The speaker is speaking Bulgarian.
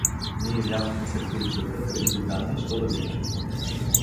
Ние излязахме сред улицата пред дюгана и що да видиш!